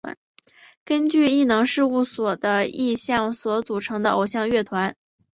根据艺能事务所的意向所组成的偶像乐团。